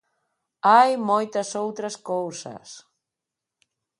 Hai moitas outras cousas.